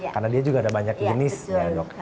karena dia juga ada banyak jenis ya dok